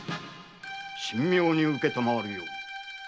神妙に承るように。